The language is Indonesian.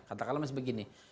katakanlah masih begini